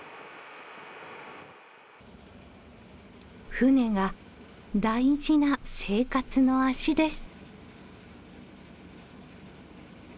船が大事な生活の足です。